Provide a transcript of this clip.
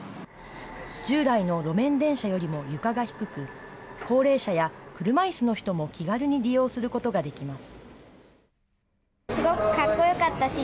従来の路面電車よりも床が低く、高齢者や車いすの人も気軽に利用することができます。